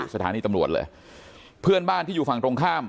สถานีตำรวจเลยเพื่อนบ้านที่อยู่ฝั่งตรงข้าม